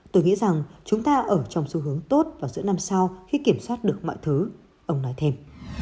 tôi nghĩ rằng chúng ta ở trong xu hướng tốt vào giữa năm sau khi kiểm soát được mọi thứ ông nói thêm